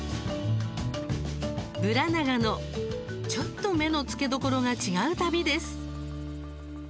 「ブラナガノ」、ちょっと目の付けどころが違う旅です。